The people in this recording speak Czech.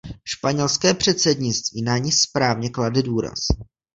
Španělské předsednictví na ni správně klade důraz.